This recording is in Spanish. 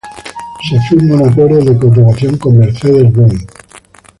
Se firma un acuerdo de cooperación con Mercedes-Benz.